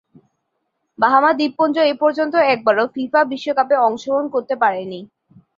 Bahama দ্বীপপুঞ্জ এপর্যন্ত একবারও ফিফা বিশ্বকাপে অংশগ্রহণ করতে পারেনি।